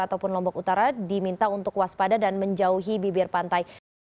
ataupun lombok utara diminta untuk waspada dan menjauhi bibir pantai